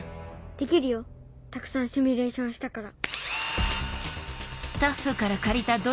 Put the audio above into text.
できるよたくさんシミュレーションしたから。